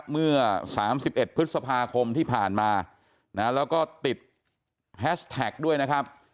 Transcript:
เมื่อ๓๑พฤษภาคมที่ผ่านมาแล้วก็ติดแฮชแท็กด้วยนะครับ